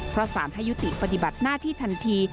เพราะสารให้ยุติปฏิบัติหน้าที่ทันที